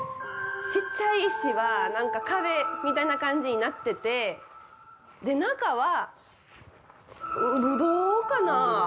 ちっちゃい石はなんか壁みたいな感じになってて中はブドウかな？